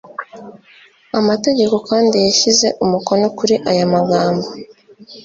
amategeko kandi yashyize umukono kuri aya magambo